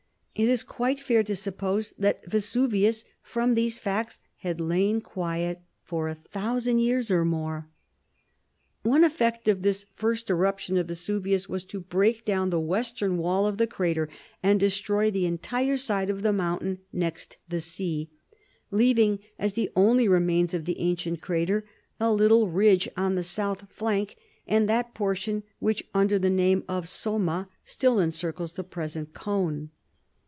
It is quite fair to suppose that Vesuvius, from these facts, had lain quiet for a thousand years or more. One effect of this first eruption of Vesuvius was to break down the western wall of the crater and destroy the entire side of the mountain next the sea, leaving as the only remains of the ancient crater a little ridge on the south flank, and that portion, which under the name of Somma, still encircles the present cone.